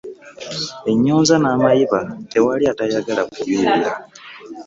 Ennyonza n'amayiba tewali atayagala kubiwulira.